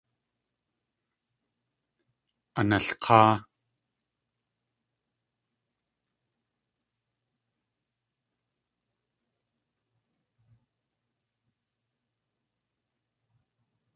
Analk̲áa!